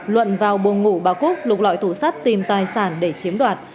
luận vào buồng ngủ bà cúc lục loại thủ sắt tìm tài sản để chiếm đoạt